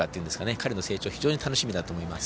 彼の成長、楽しみだと思います。